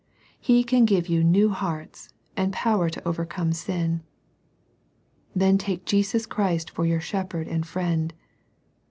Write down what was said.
He can give you new hearts, and power to overcome sin. Then take Jesus Christ for your Shepherd and Friend.